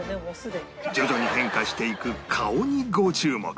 徐々に変化していく顔にご注目